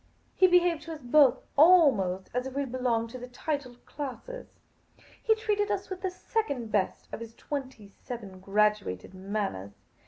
He behaved to us both, almost as if we belonged to the titled classes. He treated us with the second best of his twenty seven graduated manners.